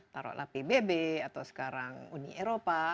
taruhlah pbb atau sekarang uni eropa